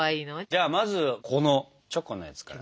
じゃあまずこのチョコのやつから。